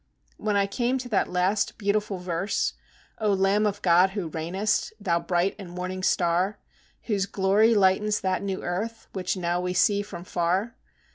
When I came to that last beautiful verse, "O Lamb of God Who reignest! Thou Bright and Morning Star, Whose glory lightens that new earth Which now we see from far!